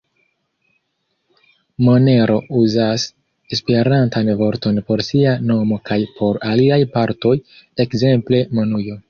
Monero uzas esperantan vorton por sia nomo kaj por aliaj partoj, ekzemple monujo.